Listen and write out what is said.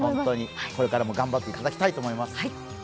これからも頑張っていただきたいと思います。